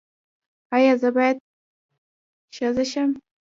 ایا زه باید ښځه شم؟